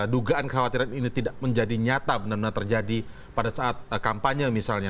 dugaan kekhawatiran ini tidak menjadi nyata benar benar terjadi pada saat kampanye misalnya